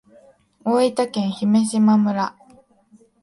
大分県姫島村